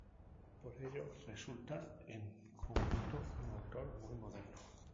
Por ello resulta en conjunto un autor muy moderno.